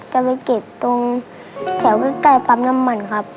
จะไปเก็บตรงแถวใกล้ปั๊มน้ำมันครับ